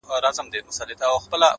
ژوندی انسان و حرکت ته حرکت کوي;